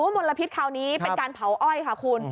มลพิษคราวนี้เป็นการเผาอ้อยค่ะคุณ